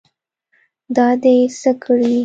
دا دې څه کړي.